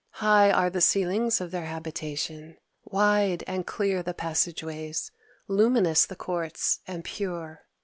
High are the ceilings of their habitation; wide and clear the passageways; luminous the courts and pure.